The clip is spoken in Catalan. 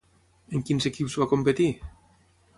En quins equips va competir?